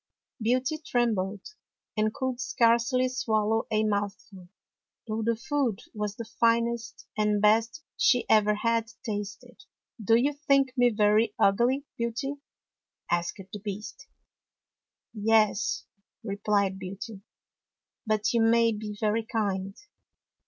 Beauty trembled and could scarcely swallow a mouthful, though the food was the finest and best she ever had tasted. " Do you think me very ugly. Beauty? " asked the Beast. " Yes," replied Beauty. " But you may be very kind."